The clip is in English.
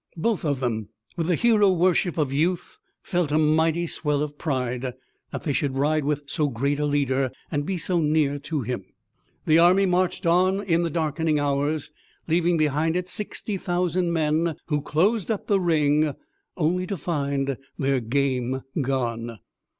Both of them, with the hero worship of youth felt a mighty swell of pride, that they should ride with so great a leader, and be so near to him. The army marched on in the darkening hours, leaving behind it sixty thousand men who closed up the ring only to find their game gone.